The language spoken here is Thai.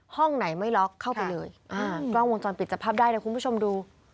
ห้องไหนไม่ล็อกเข้าไปเลยอ่ากล้องวงจรปิดจับภาพได้นะคุณผู้ชมดู